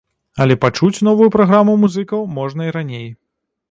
Але пачуць новую праграму музыкаў можна і раней.